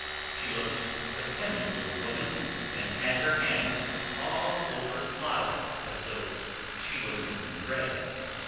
She looked a timid little woman and had her hands all over flour as though she were making bread.